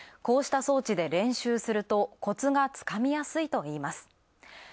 こうした装置で練習するとコツがつかみやすいといいます。